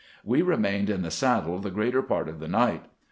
We remained in the saddle the greater part of the night.